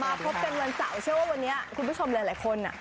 พบกันวันเสาร์เชื่อว่าวันนี้คุณผู้ชมหลายคน